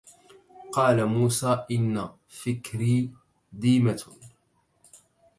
قال موسى إن فكري ديمة